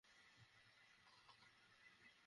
ওর কিছু করিস না!